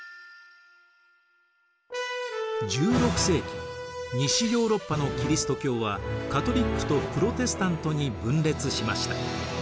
１６世紀西ヨーロッパのキリスト教はカトリックとプロテスタントに分裂しました。